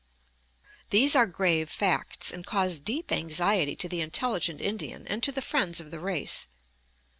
These are grave facts, and cause deep anxiety to the intelligent Indian and to the friends of the race.